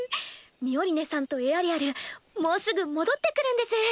ミオリネさんとエアリアルもうすぐ戻ってくるんです。